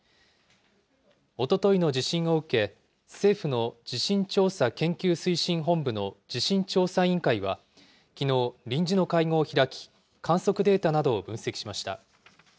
おとといの地震を受け、政府の地震調査研究推進本部の地震調査委員会は、きのう、臨時の会合を開き、観測データなどを分析しました。